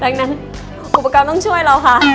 ดังนั้นอุปกรณ์ต้องช่วยเราค่ะ